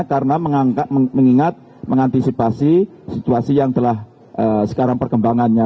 karena mengingat mengantisipasi situasi yang telah sekarang perkembangannya